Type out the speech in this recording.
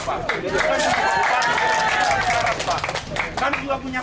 kami juga punya hak untuk memiksa kepada pak tepati